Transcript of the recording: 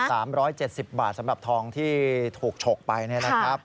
ซึ่ง๑๐บาทสำหรับทองที่ถูกฉกไปนะครับ